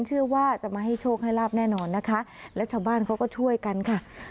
เชื่อว่าจะมาให้โชคให้ลาบแน่นอนนะคะแล้วชาวบ้านเขาก็ช่วยกันค่ะ